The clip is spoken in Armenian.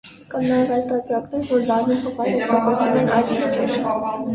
Կան նաև այլ տարբերակներ, որ լայմի փոխարեն օգտագործվում են այլ մրգեր։